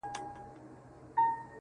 زه او ته چي پیدا سوي پاچاهان یو-